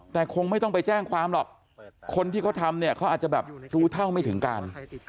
แต่คงไม่ต้องไปแจ้งความหรอกคนที่เขาทำเนี่ยเขาอาจจะแบบรู้เท่าไม่ถึงการ